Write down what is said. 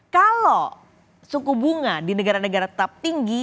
kalau suku bunga di negara negara tetap tinggi